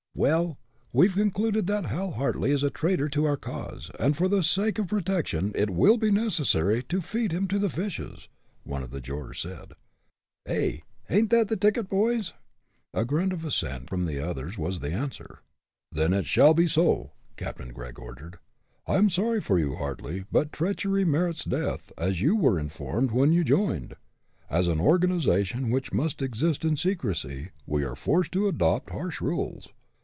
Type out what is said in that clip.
"Well, we've concluded that Hal Hartly is a traitor to our cause, and for the sake of protection it will be necessary to feed him to the fishes!" one of the jurors said. "Eh, ain't that the ticket, boys!" A grunt of assent from the others was the answer. "Then it shall be so," Captain Gregg ordered. "I am sorry for you, Hartly, but treachery merits death, as you were informed when you joined. As an organization which must exist in secrecy, we are forced to adopt harsh rules.